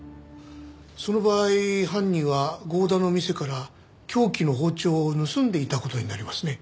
その場合犯人は剛田の店から凶器の包丁を盗んでいた事になりますね。